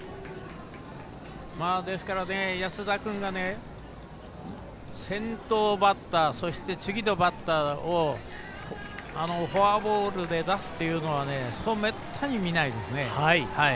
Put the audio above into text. ですから、安田君が先頭バッターそして、次のバッターをフォアボールで出すっていうのはめったに見ないですね。